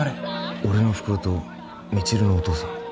俺のお袋と未知留のお父さん